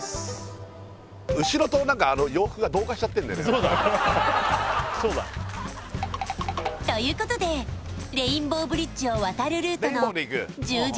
早速ですがそうだということでレインボーブリッジを渡るルートの充実